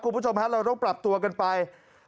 คุณผู้ชมฮะเราต้องปรับตัวกันไป